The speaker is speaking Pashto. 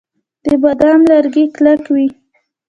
د بادام لرګي کلک وي.